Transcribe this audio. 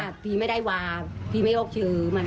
อ่าพี่ไม่ได้ว่าพี่ไม่โอบชื่อมัน